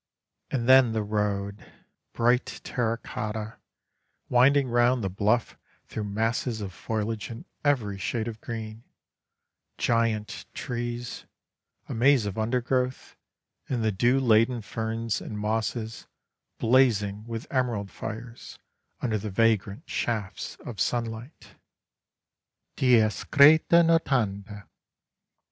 And then the road! bright terra cotta, winding round the bluff through masses of foliage in every shade of green, giant trees, a maze of undergrowth, and the dew laden ferns and mosses, blazing with emerald fires under the vagrant shafts of sunlight; dies cretâ notanda.